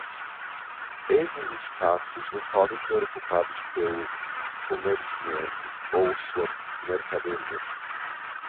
Esses espaços não podem ser ocupados pelo comerciante ou sua mercadoria.